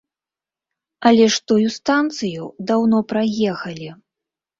Але ж тую станцыю даўно праехалі.